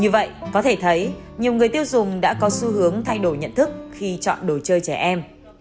như vậy có thể thấy nhiều người tiêu dùng đã có xu hướng thay đổi nhận thức khi chọn đồ chơi trẻ em